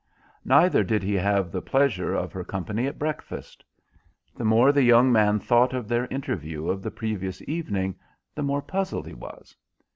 Neither did he have the pleasure of her company at breakfast. The more the young man thought of their interview of the previous evening, the more puzzled he was.